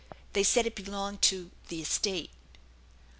They said it belonged to ' the estate.'